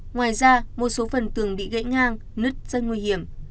ngoài ra một số phần tường bị gãy ngang nứt dâng nguy hiểm